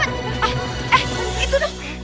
eh itu dah